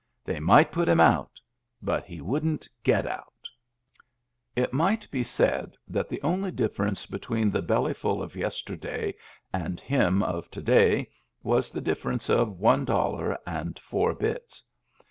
They might put him out, but he wouldn't get out It might be said that the only diflference be tween the Bellyful of yesterday and him of to day was the difference of one dollar and four bits.